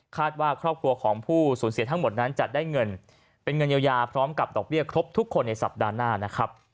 ว่าครอบครัวของผู้สูญเสียทั้งหมดนั้นจะได้เงินเป็นเงินเยียวยาพร้อมกับดอกเบี้ยครบทุกคนในสัปดาห์หน้านะครับ